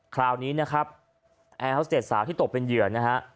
คราวนี้นะครับแอฮาร์เศษสาวที่ตกเป็นเหยื่อ